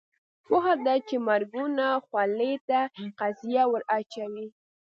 پوهه ده چې د مرګونو خولې ته قیضه ور اچوي.